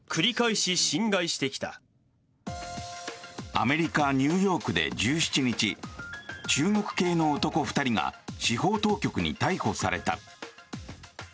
アメリカ・ニューヨークで１７日中国系の男２人が司法当局に逮捕された。